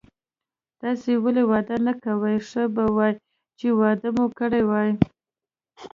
تاسي ولي واده نه کوئ، ښه به وای چي واده مو کړی وای.